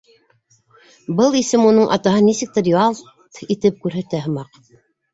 Был исем уның атаһын нисектер ят итеп күрһәтә һымаҡ.